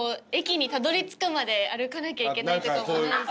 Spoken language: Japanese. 駅にたどりつくまで歩かなきゃいけないとかもないし。